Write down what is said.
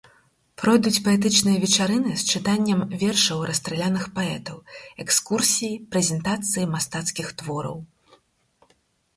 Пройдуць паэтычныя вечарыны з чытаннем вершаў расстраляных паэтаў, экскурсіі, прэзентацыі мастацкіх твораў.